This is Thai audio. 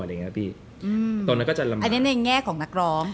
อันนี้ในแง่ของนักร้อง